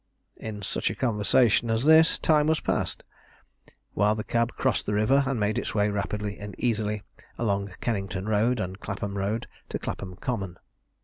In such conversation as this the time was passed, while the cab crossed the river and made its way rapidly and easily along Kennington Road and Clapham Road to Clapham Common.